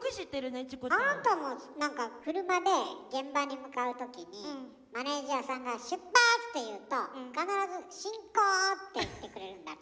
あなたもなんか車で現場に向かうときにマネージャーさんが「出発！」って言うと必ず「進行！」って言ってくれるんだって？